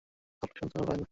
গল্প শুনতেও ভাল লাগে না।